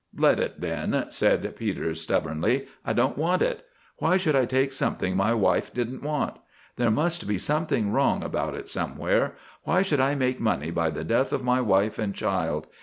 "Let it then," said Peters, stubbornly. "I don't want it. Why should I take something my wife didn't want? There must be something wrong about it somewhere. Why should I make money by the death of my wife and child?